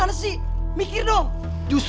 tiga dua satu